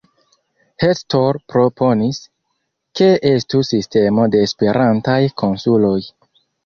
Hector proponis, ke estu sistemo de Esperantaj konsuloj.